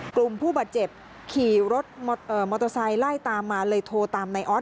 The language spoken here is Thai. กลุ่มผู้บาดเจ็บขี่รถมอเตอร์ไซค์ไล่ตามมาเลยโทรตามนายออส